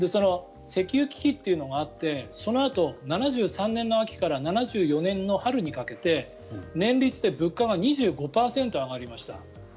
石油危機というのがあってそのあと７３年の秋から７４年の春にかけて年率で物価が２５％上がりました。